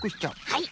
はい。